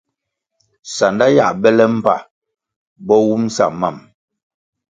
Sanda yiā bele mbpa bo wum sa mam.